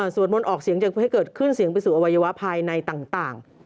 มนต์ออกเสียงให้เกิดขึ้นเสียงไปสู่อวัยวะภายในต่าง